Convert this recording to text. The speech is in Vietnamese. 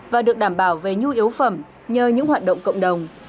và được đảm bảo về nhu yếu phẩm nhờ những hoạt động cộng đồng